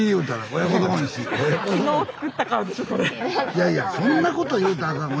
いやいやそんなこと言うたらあかん。